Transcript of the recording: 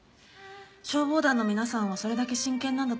消防団の皆さんはそれだけ真剣なんだと思います。